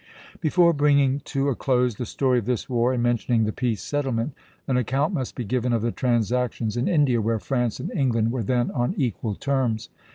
Before bringing to a close the story of this war and mentioning the peace settlement, an account must be given of the transactions in India, where France and England were then on equal terms.